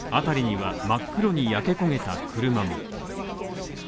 辺りには真っ黒に焼け焦げた車も。